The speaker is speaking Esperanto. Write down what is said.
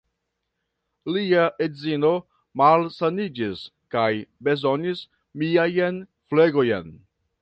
Lia edzino malsaniĝis kaj bezonis miajn flegojn.